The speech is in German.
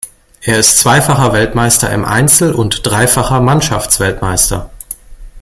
Er ist zweifacher Weltmeister im Einzel und dreifacher Mannschaftsweltmeister.